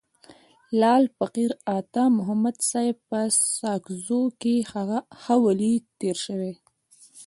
لعل فقیر عطا محمد صاحب په ساکزو کي ښه ولي تیر سوی.